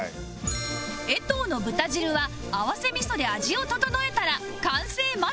衛藤の豚汁は合わせみそで味を調えたら完成間近